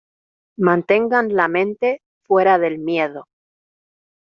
mantengan la mente fuera del miedo.